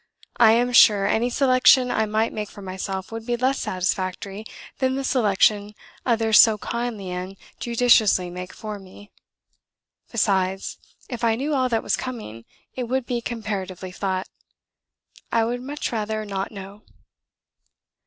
I am sure any selection I might make for myself would be less satisfactory than the selection others so kindly and judiciously make for me; besides, if I knew all that was coming, it would be comparatively flat. I would much rather not know.